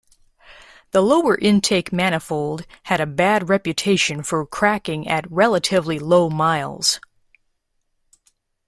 The lower-intake manifold had a bad reputation for cracking at relatively low miles.